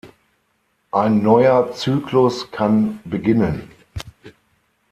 Ein neuer Zyklus kann beginnen.